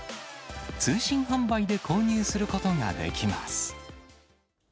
通信販売で購入することができます。